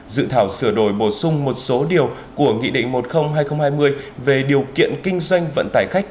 dự thảo sửa đổi bổ sung một số điều của nghị định một trăm linh hai nghìn hai mươi về điều kiện kinh doanh vận tải khách